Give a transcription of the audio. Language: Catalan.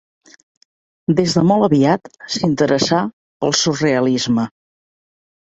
Des de molt aviat s’interessà pel surrealisme.